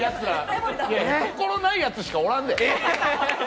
心無いやつしかおらんで。